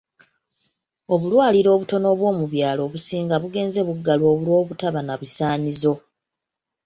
Obulwaliro obutono obw'omu byalo obusinga bugenze buggalwa olw'obutaba na bisaanyizo